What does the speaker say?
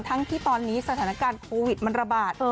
ทั้งที่ตอนนี้สถานการณ์โควิดมันระบาด